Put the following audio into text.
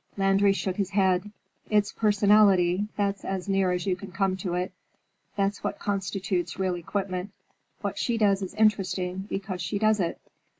Landry shook his head. "It's personality; that's as near as you can come to it. That's what constitutes real equipment. What she does is interesting because she does it.